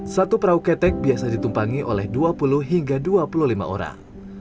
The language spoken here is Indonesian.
satu perahu ketek biasa ditumpangi oleh dua puluh hingga dua puluh lima orang